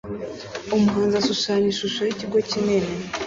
Umuhanzi ashushanya ishusho yikigo kinini